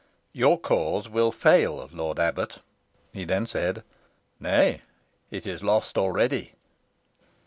"Your cause will fail, lord abbot," he then said. "Nay, it is lost already."